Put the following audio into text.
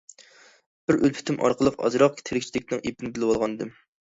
بىر ئۈلپىتىم ئارقىلىق ئازراق تىرىكچىلىكنىڭ ئېپىنى بىلىۋالغانىدىم.